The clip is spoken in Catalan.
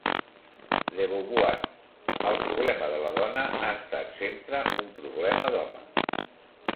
De Beauvoir: el problema de la dona ha estat sempre un problema d'homes.